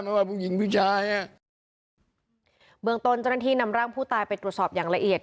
ไม่ว่าผู้หญิงผู้ชายบางตัวจนทีนำร่างผู้ตายเป็นตรวจสอบอย่างละเอียด